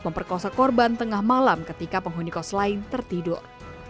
memperkosa korban tengah malam ketika penghuni kos lain tertidur